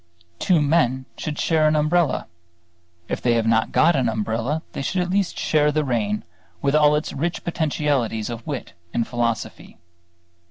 Two men should share an umbrella; if they have not got an umbrella, they should at least share the rain, with all its rich potentialities of wit and philosophy.